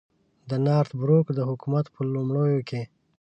د نارت بروک د حکومت په لومړیو کې.